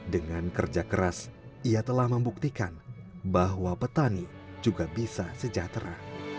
dengan kerja keras ia telah membuktikan bahwa petani juga bisa sejahtera